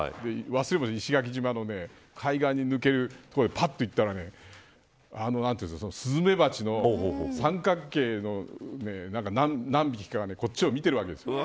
忘れもしない、石垣島の海岸に抜ける所で、ぱっと行ったらスズメバチの三角形の何匹かがこっちを見ているわけです。